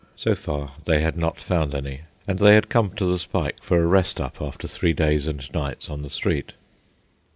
So far, they had not found any, and they had come to the spike for a "rest up" after three days and nights on the street.